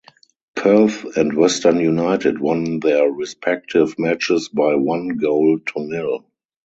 Perth and Western United won their respective matches by one goal to nil.